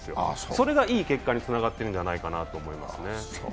それが、いい結果につながってるんじゃないかと思いますね。